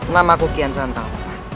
nama aku kian santau